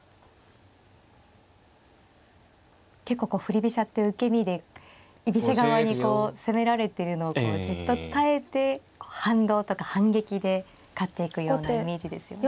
結構こう振り飛車って受け身で居飛車側にこう攻められてるのをじっと耐えて反動とか反撃で勝っていくようなイメージですよね。